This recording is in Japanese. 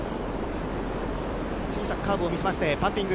小さくカーブを見せまして、パンピング。